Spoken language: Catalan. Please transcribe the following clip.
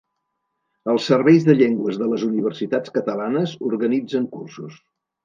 Els serveis de llengües de les universitats catalanes organitzen cursos.